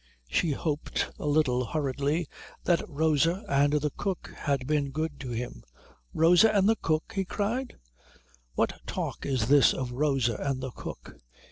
She hoped, a little hurriedly, that Rosa and the cook had been good to him. "Rosa and the cook?" he cried. "What talk is this of Rosa and the cook?